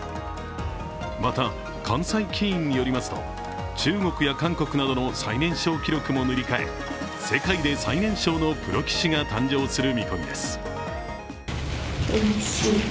また、関西棋院によりますと中国や韓国などの最年少記録も塗り替え世界で最年少のプロ棋士が誕生する見込みです。